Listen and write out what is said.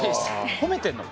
褒めてるの？